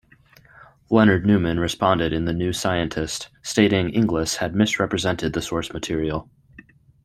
Leonard Newman responded in the "New Scientist" stating Inglis had misrepresented the source material.